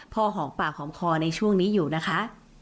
หอมปากหอมคอในช่วงนี้อยู่นะคะ